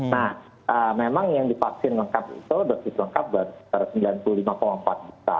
nah memang yang dipaksin lengkap itu dosis lengkap sembilan puluh lima empat juta